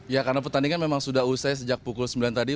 ya karena pertandingan memang sudah usai sejak pukul sembilan tadi